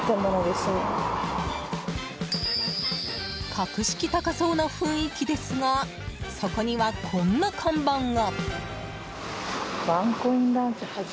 格式高そうな雰囲気ですがそこには、こんな看板が。